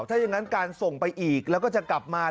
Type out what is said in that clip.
ถ้าอย่างนั้นการส่งไปอีกแล้วก็จะกลับมา